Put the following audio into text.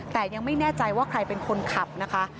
แต่ยังไม่แน่ใจว่าใครเป็นคนขับนะคะ